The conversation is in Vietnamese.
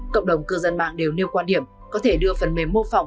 cộng đồng cư dân mạng đều nêu quan điểm có thể đưa phần mềm mô phỏng